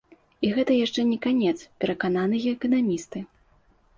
І гэта яшчэ не канец, перакананыя эканамісты.